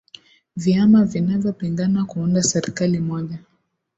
viama vinavyo pingana kuunda serikali moja